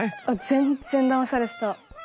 全然だまされてた。